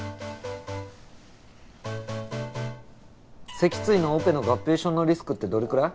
脊椎のオペの合併症のリスクってどれくらい？